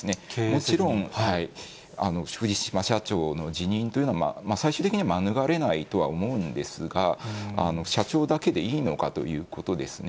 もちろん藤島社長の辞任というのは、最終的には免れないとは思うんですが、社長だけでいいのかということですね。